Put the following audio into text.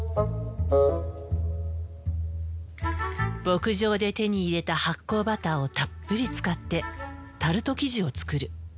牧場で手に入れた発酵バターをたっぷり使ってタルト生地を作る。